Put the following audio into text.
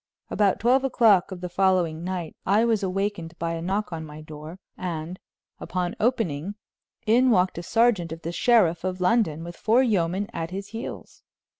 About twelve o'clock of the following night I was awakened by a knock at my door, and, upon opening, in walked a sergeant of the sheriff of London, with four yeomen at his heels.